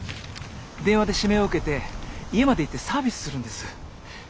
電話で指名を受けて家まで行ってサービスするんです。